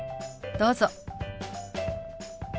どうぞ。